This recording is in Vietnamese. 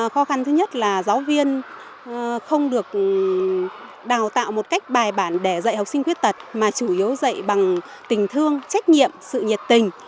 khó khăn thứ nhất là giáo viên không được đào tạo một cách bài bản để dạy học sinh khuyết tật mà chủ yếu dạy bằng tình thương trách nhiệm sự nhiệt tình